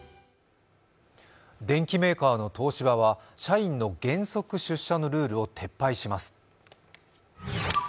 電機メーカーの東芝は社員の原則出社のルールを撤廃します。